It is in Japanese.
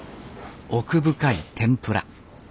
奥深い天ぷら。